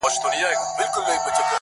محرابونه به موخپل جومات به خپل وي-